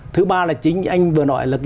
thứ ba là chính anh vừa nói là